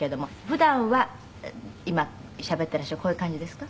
普段は今しゃべっていらっしゃるこういう感じですか？